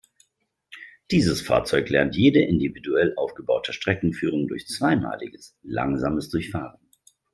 Dieses Fahrzeug lernt jede individuell aufgebaute Streckenführung durch zweimaliges, langsames durchfahren.